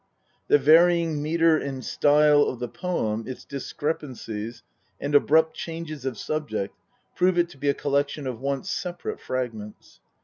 The varying metre and style of the poem, its discrepancies, and abrupt changes of subject prove it to be a collection of once separate fragments.